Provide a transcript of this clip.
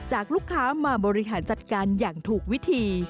ลูกค้ามาบริหารจัดการอย่างถูกวิธี